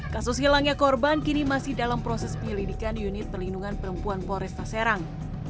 kasus hilangnya korban kini masih dalam proses penyelidikan di unit perlindungan perempuan polresta serang